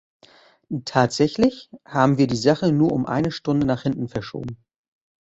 Tatsächlich haben wir die Sache nur um eine Stunde nach hinten verschoben.